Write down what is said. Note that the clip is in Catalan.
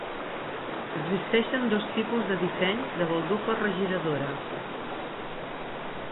Existeixen dos tipus de dissenys de baldufa regiradora.